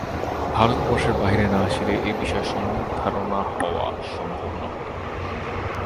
ভারত- বর্ষের বাহিরে না আসিলে এ বিষয়ে সম্যক ধারণা হওয়া সম্ভব নহে।